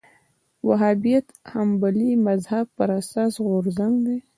وهابیت حنبلي مذهب پر اساس غورځنګ دی